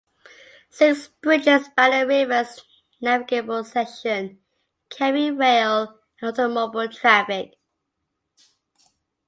Six bridges span the river's navigable section, carrying rail and automobile traffic.